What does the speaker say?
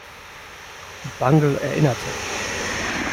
Bungle erinnerte.